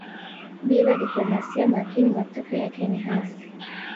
Bila diplomasia makini matokeo yake ni hasi